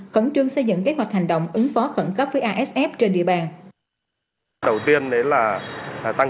khẩn trương xây dựng kế hoạch hành động ứng phó khẩn cấp với asf trên địa bàn